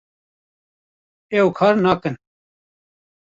ew kar nakin